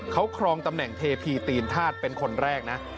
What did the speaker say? เขาครองตำแหน่งเทพีตีนธาตุเป็นคนแรกนะ